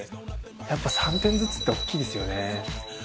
やっぱ３点ずつって大きいですよね。